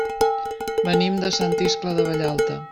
Venim de Sant Iscle de Vallalta.